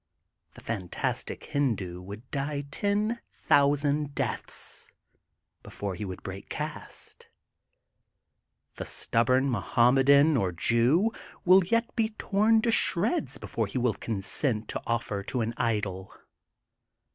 The fantastic Hindu would die ten thousand deaths before he would break caste. The stubborn Mohammedan or Jew will yet be torn to shreds before he will consent to offer to an idol.